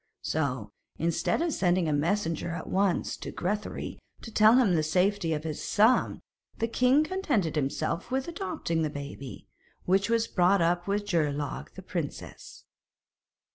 So, instead of sending a messenger at once to Grethari to tell him of the safety of his son, the king contented himself with adopting the baby, which was brought up with Geirlaug the princess.